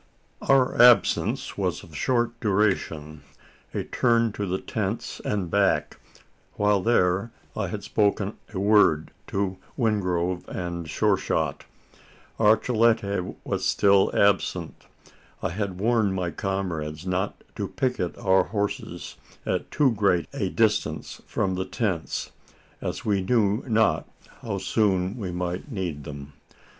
Our absence was of short duration a turn to the tents and back again. While there, I had spoken a word to Wingrove and Sure shot. Archilete was still absent. I had warned my comrades not to picket our horses at too great a distance from the tents: as we knew not how soon we might need them.